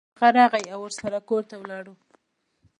هغه راغی او ورسره کور ته ولاړو.